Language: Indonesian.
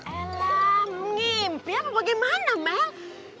elah mimpi apa bagaimana mel